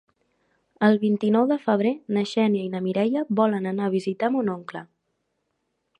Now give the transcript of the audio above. El vint-i-nou de febrer na Xènia i na Mireia volen anar a visitar mon oncle.